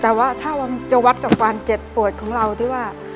แต่ว่าถ้ามันจะวัดกับความเจ็บปวดของเราที่ว่า